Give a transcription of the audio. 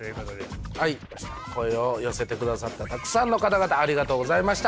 声を寄せてくださったたくさんの方々ありがとうございました。